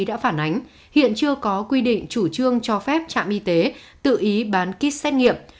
đã phản ánh hiện chưa có quy định chủ trương cho phép trạm y tế tự ý bán kit xét nghiệm